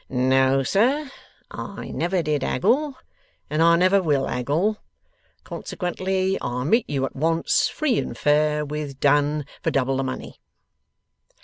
'No, sir. I never did 'aggle and I never will 'aggle. Consequently I meet you at once, free and fair, with Done, for double the money!